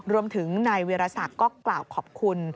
รวมถึงนายเวียรศักดิ์ก็กล่าวขอบคุณ